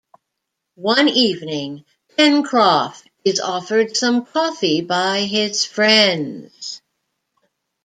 One evening, Pencroff is offered some coffee by his friends.